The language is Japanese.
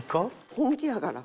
本気やから。